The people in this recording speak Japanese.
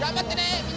みんな！